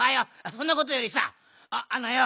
そんなことよりさあのよ